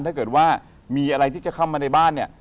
ถ้าเกิดว่ามีอะไรที่จะเข้ามาในบ้านเนี่ย